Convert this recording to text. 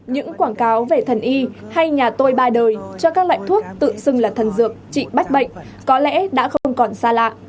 những quảng cáo về thần y hay nhà tôi ba đời cho các loại thuốc tự xưng là thần dược trị bách bệnh có lẽ đã không còn xa lạ